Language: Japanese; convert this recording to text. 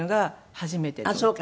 初めて。